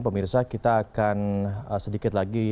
pemirsa kita akan sedikit lagi